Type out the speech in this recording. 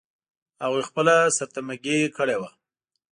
هغوی خپله سرټمبه ګي کړې وه.